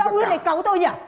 sao ông luôn lại cấu tôi nhỉ